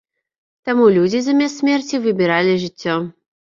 Таму людзі замест смерці выбіралі жыццё.